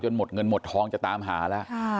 จนเงินหมดท้องจะตามหาละ